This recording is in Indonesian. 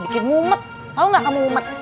tau gak kamu umet